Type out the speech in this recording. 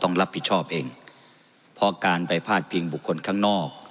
ต้องรับผิดชอบเองเพราะการไปพาดพิงบุคคลข้างนอก